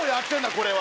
これは。